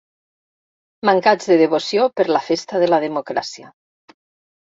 Mancats de devoció per la festa de la democràcia.